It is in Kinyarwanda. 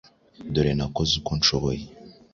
Dore nakoze uko nshoboye